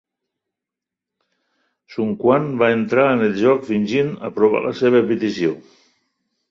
Sun Quan va entrar en el joc fingint aprovar la seva petició.